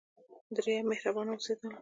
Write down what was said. دریم: مهربانه اوسیدل.